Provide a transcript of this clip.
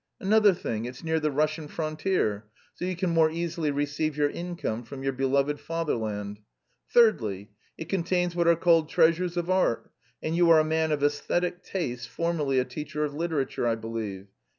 Another thing, it's near the Russian frontier, so you can more easily receive your income from your beloved Fatherland. Thirdly, it contains what are called treasures of art, and you are a man of æsthetic tastes, formerly a teacher of literature, I believe.